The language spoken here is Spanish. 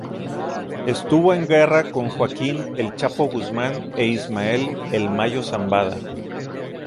Estuvo en guerra con Joaquín "El Chapo Guzman" e Ismael "El Mayo Zambada".